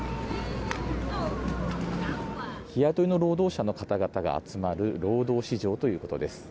日雇いの労働者の方々が集まる労働市場ということです。